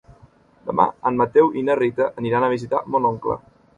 Demà en Mateu i na Rita aniran a visitar mon oncle.